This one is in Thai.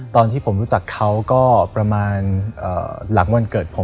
ตอนที่ผมรู้จักเขาก็ประมาณหลังวันเกิดผม